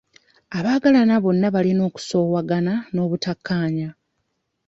Abaagalana bonna balina okusoowagana n'obutakkaanya.